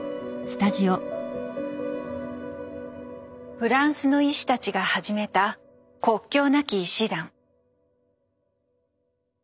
フランスの医師たちが始めた国境なき医師団。